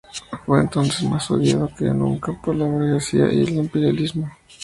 Fue entonces más odiado que nunca por la burguesía y el imperialismo.